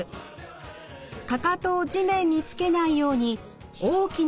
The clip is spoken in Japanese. かかとを地面につけないように大きな歩幅で歩きます。